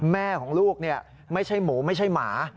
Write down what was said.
แม่ของลูกไม่ใช่หมูไม่ใช่หมา